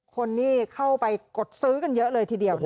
คนนี่เข้าไปกดซื้อกันเยอะเลยทีเดียว